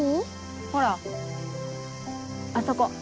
ほらあそこ。